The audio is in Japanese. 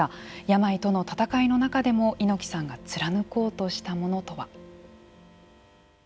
病との闘いの中でも猪木さんが貫こうとしたものとは。